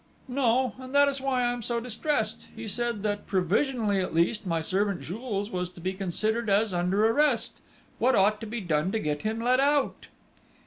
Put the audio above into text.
"No, and that is why I am so distressed. He said, that provisionally, at least, my servant, Jules, was to be considered as under arrest! What ought to be done to get him let out?"